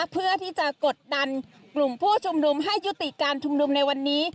เพื่อที่จะกดดันกลุ่มผู้ชุมนุมให้ยุติการชุมนุมในวันนี้